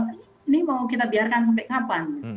ini mau kita biarkan sampai kapan